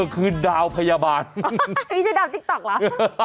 คือดาวพยาบาลไม่ใช่ดาวติ๊กต๊อกเหรอ